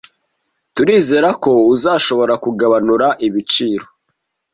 Turizera ko uzashobora kugabanura ibiciro.